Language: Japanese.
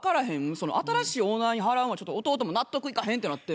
その新しいオーナーに払うんはちょっと弟も納得いかへんってなって。